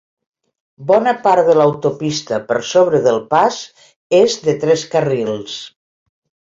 Bona part de l'autopista per sobre del pas és de tres carrils.